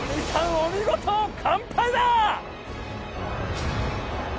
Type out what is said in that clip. お見事完敗だ！